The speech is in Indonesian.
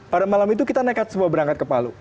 pada malam itu kita nekat semua berangkat ke palu